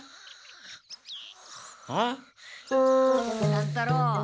乱太郎。